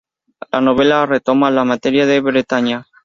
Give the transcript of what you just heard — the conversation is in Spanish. La novela retoma la materia de Bretaña.